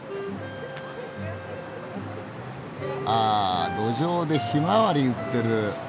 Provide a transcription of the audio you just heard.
あ路上でひまわり売ってる。